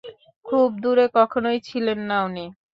খুব দূরে কখনই ছিলেন না উনি।